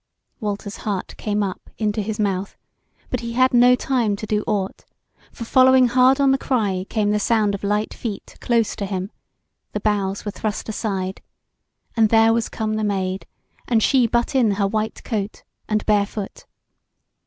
Walter's heart came up into his mouth, but he had no time to do aught, for following hard on the cry came the sound of light feet close to him, the boughs were thrust aside, and there was come the Maid, and she but in her white coat, and barefoot.